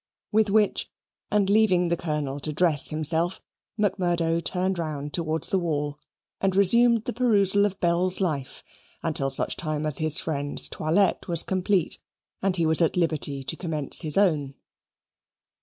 With which, and leaving the Colonel to dress himself, Macmurdo turned round towards the wall, and resumed the perusal of Bell's Life, until such time as his friend's toilette was complete and he was at liberty to commence his own.